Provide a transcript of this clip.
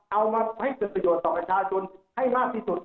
เอามาให้เกิดประโยชน์ต่อประชาชนให้มากที่สุด